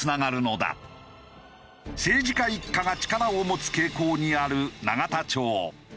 政治家一家が力を持つ傾向にある永田町。